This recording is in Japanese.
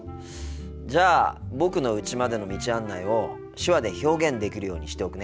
じゃあ僕のうちまでの道案内を手話で表現できるようにしておくね。